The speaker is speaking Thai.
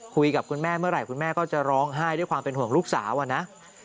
คุยกับคุณแม่เมื่อไหร่คุณแม่ก็จะร้องไห้ด้วยความเป็นห่วงลูกสาวอะนะ